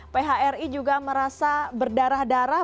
phri juga merasa berdarah darah